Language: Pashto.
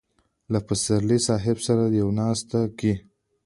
له پسرلي صاحب سره په ناستو کې.